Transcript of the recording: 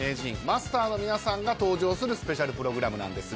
マスターの皆さんが登場するスペシャルプログラムなんですが。